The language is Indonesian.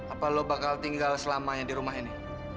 apa lo bakal tinggal selamanya di rumah ini